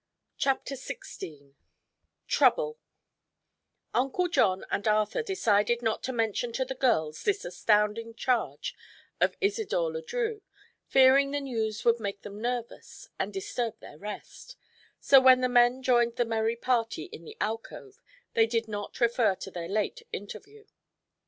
CHAPTER XVI TROUBLE Uncle John and Arthur decided not to mention to the girls this astounding charge of Isidore Le Drieux, fearing the news would make them nervous and disturb their rest, so when the men joined the merry party in the alcove they did not refer to their late interview.